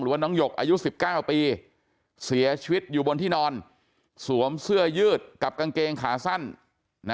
ว่าน้องหยกอายุ๑๙ปีเสียชีวิตอยู่บนที่นอนสวมเสื้อยืดกับกางเกงขาสั้นนะ